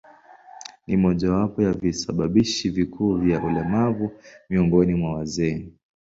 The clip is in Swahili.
Ni mojawapo ya visababishi vikuu vya ulemavu miongoni mwa wazee.